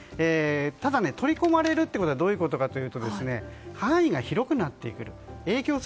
ただ、取り込まれるということはどういうことかというと影響する範囲が広くなっていく。